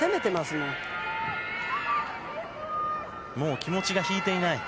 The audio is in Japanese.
もう気持ちが引いていない。